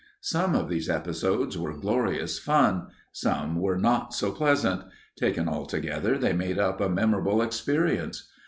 Some of these episodes were glorious fun; some were not so pleasant; taken all together they made up a memorable experience.